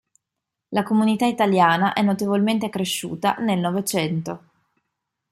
La comunità italiana è notevolmente cresciuta nel Novecento.